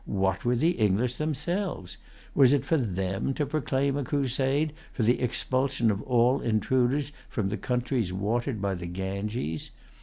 What were the English themselves? Was it for them to proclaim a crusade for the expulsion of all intruders from the countries watered by the Ganges?